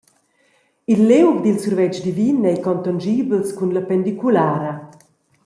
Il liug dil survetsch divin ei contonschibels cun la pendiculara.